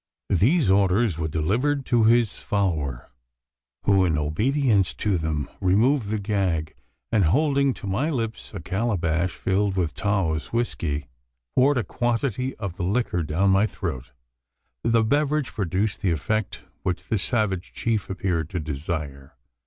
These orders were delivered to his follower, who, in obedience to them, removed the gag; and, holding to my lips a calabash filled with Taos whiskey, poured a quantity of the liquor down my throat. The beverage produced the effect which the savage chief appeared to desire.